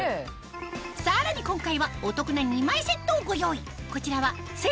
さらに今回はお得な２枚セットをご用意